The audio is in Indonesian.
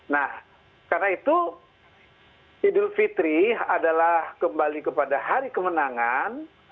nah karena itu idul fitri adalah kembali kepada hari kemenangan